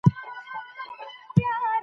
هغه کلتور چې زوړ وي بدلون ته اړتیا لري.